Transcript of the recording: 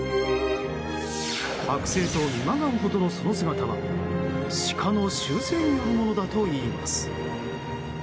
はく製と見まがうほどのその姿はシカの習性によるものだといいます。